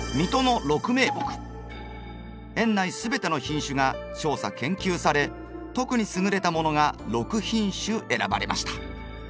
園内全ての品種が調査研究され特に優れたものが６品種選ばれました。